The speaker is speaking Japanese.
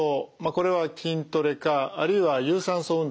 これは筋トレかあるいは有酸素運動ですね。